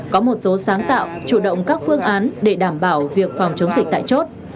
có một số sáng tạo chủ động các phương án để đảm bảo việc phòng chống dịch tại chốt